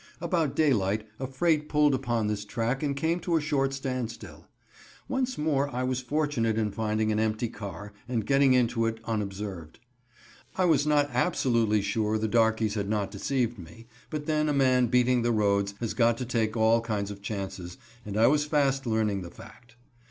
About daylight a freight pulled upon this track and came to a short standstill. Once more I was fortunate in finding an empty car, and getting into it unobserved. I was not absolutely sure the darkies had not deceived me, but then a man beating the roads has got to take all kinds of chances, and I was fast learning the fact.